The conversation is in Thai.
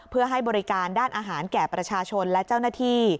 เพื่อให้บริการด้านอาหารแก่ประชาชนและเจ้าหน้าที่